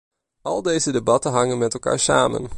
Al deze debatten hangen met elkaar samen.